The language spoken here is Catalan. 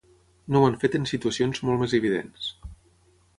No ho han fet en situacions molt més evidents